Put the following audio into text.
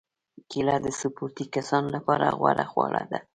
کېله د سپورتي کسانو لپاره غوره خواړه ده.